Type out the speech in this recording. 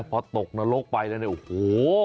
พอตกนรกไปแล้วเนี่ยโอ้โห